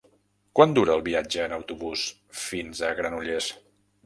Quant dura el viatge en autobús fins a Granollers?